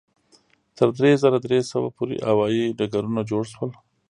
تر درې زره درې سوه پورې هوایي ډګرونه جوړ شول.